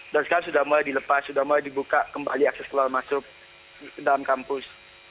dan sekarang sudah mulai dilepas sudah mulai dibuka kembali akses keluar masuk ke dalam kampus